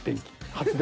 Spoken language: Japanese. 発電。